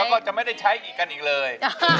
แล้วก็จะไม่ได้ใช้อีกกันอีกเลย